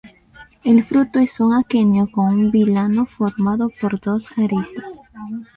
El fruto es un aquenio con un vilano formado por dos aristas.